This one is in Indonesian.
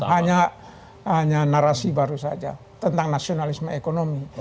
hanya narasi baru saja tentang nasionalisme ekonomi